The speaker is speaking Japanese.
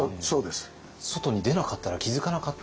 外に出なかったら気付かなかった？